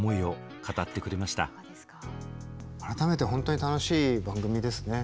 改めて本当に楽しい番組ですね。